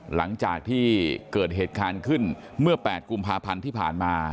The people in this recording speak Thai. หลังจากที่เกิดเหตุการณ์ขึ้นเมื่อ๘กุมภาพันธ์ที่ผ่านมา